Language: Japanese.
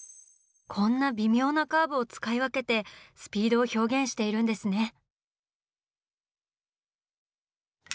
こんな微妙なカーブを使い分けてスピードを表現しているんですね。